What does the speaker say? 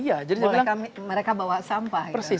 iya jadi saya bilang persis